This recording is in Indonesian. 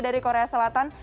dari korea selatan